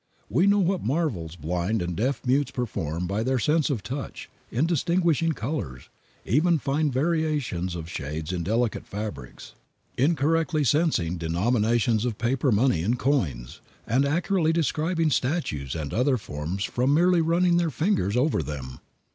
We know what marvels blind and deaf mutes perform by their sense of touch, in distinguishing colors, even fine variations of shades in delicate fabrics, in correctly sensing denominations of paper money and coins, and accurately describing statues and other forms from merely running their fingers over them.